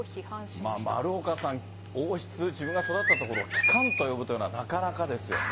まあ、丸岡さん、王室、自分が育ったところを機関と呼ぶというのは、なかなかですよね。